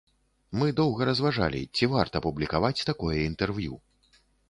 Мы доўга разважалі, ці варта публікаваць такое інтэрв'ю.